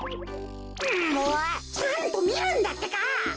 んもうちゃんとみるんだってか。